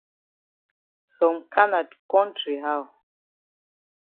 Some kana kontry how?